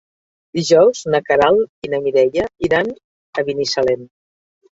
Dijous na Queralt i na Mireia iran a Binissalem.